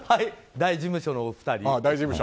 大事務所のお二人。